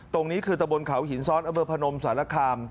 ตรงนี้คือตะบนเขาหินซ้อนอำเภอพนมสารคาม